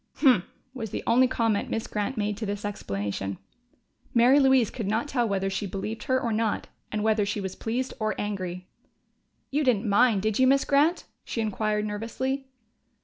"Humph!" was the only comment Miss Grant made to this explanation. Mary Louise could not tell whether she believed her or not and whether she was pleased or angry. "You didn't mind, did you, Miss Grant?" she inquired nervously.